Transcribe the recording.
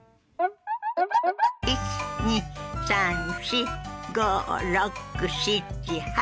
１２３４５６７８。